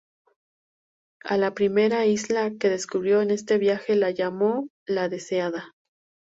A la primera isla que descubrió en este viaje la llamó la Deseada.